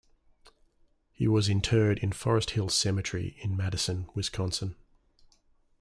He was interred in Forest Hill Cemetery in Madison, Wisconsin.